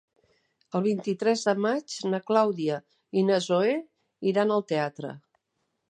El vint-i-tres de maig na Clàudia i na Zoè iran al teatre.